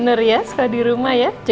nak sekolah di rumah aja